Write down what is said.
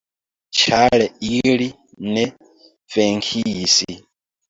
Ĉar ili ne venkis!